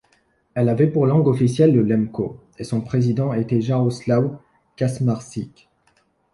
Elle avait pour langue officielle le lemko et son président était Jaroslaw Kacmarczyk.